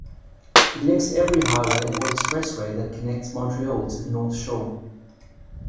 It links every highway or expressway that connects Montreal to the North Shore.